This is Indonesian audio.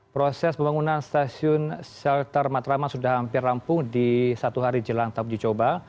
proses pembangunan stasiun shelter matraman sudah hampir rampung di satu hari jelang tahap uji coba